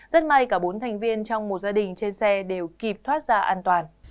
rất may cả bốn thành viên trong một gia đình trên xe đều kịp thoát ra an toàn